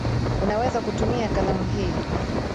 Unaweza kutumia kalamu hii.